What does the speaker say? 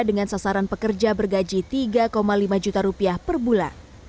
dengan sasaran pekerja bergaji rp tiga lima juta rupiah per bulan